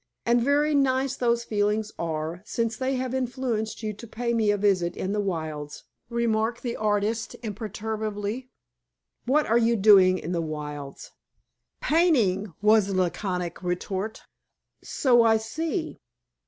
"And very nice those feelings are, since they have influenced you to pay me a visit in the wilds," remarked the artist imperturbably. "What are you doing in the wilds?" "Painting," was the laconic retort. "So I see.